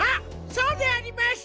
そうであります！